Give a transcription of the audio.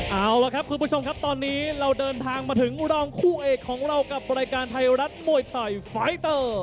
เอาละครับคุณผู้ชมครับตอนนี้เราเดินทางมาถึงรองคู่เอกของเรากับรายการไทยรัฐมวยไทยไฟเตอร์